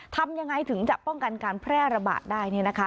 ทำยังไงถึงจะป้องกันการแพร่ระบาดได้เนี่ยนะคะ